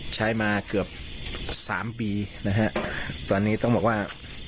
ใช้มาเกือบสามปีนะฮะตอนนี้ต้องบอกว่า